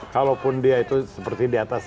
kalaupun dia itu seperti di atas